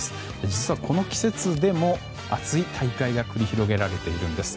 実はこの季節でも熱い大会が繰り広げられているんです。